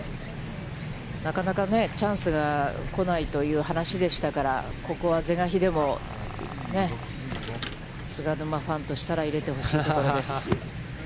なかなかチャンスが来ないという話でしたから、ここは是が非でも、菅沼ファンとしては、入れてほしいところです。